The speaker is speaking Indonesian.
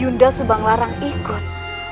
yunda subang larang ikut